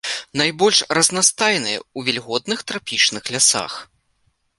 Найбольш разнастайныя ў вільготных трапічных лясах.